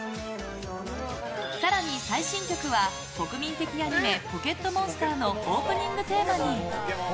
更に、最新曲は国民的アニメ「ポケットモンスター」のオープニングテーマに！